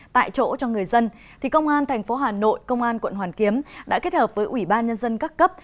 tại chỗ cho người dân thì công an thành phố hà nội công an quận hoàn kiếm đã kết hợp với ủy ban nhân dân các cấp